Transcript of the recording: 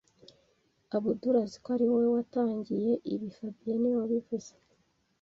Abdul azi ko ari wowe watangiye ibi fabien niwe wabivuze